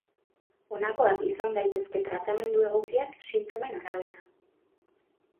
Honakoak izan daitezke tratamendu egokiak sintomen arabera.